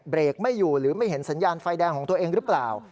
เบรกไม่อยู่หรือไม่เห็นสัญญาณไฟแดงของตัวเองหรือเปล่า